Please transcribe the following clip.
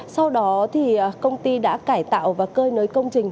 sau đó thì công ty đã cải tạo và cơi nới công trình